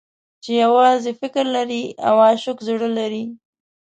چې يوازې فکر لري او عاشق زړه لري.